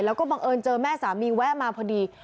แล้วก็บังเอิญเจอแม่สามีแวะมาพอดี